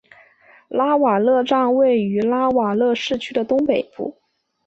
拉瓦勒站位于拉瓦勒市区的东北部。